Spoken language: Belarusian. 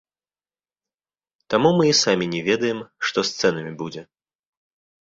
Таму мы і самі не ведаем, што з цэнамі будзе.